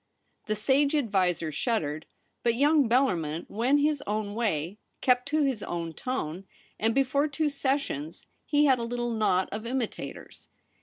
The sage adviser shuddered ; but young Bellarmin went his own way, kept to his own tone ; and before two sessions he had a little knot of imitators.